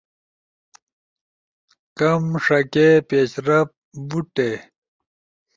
کم ݜکے، پیشرفت، بوٹے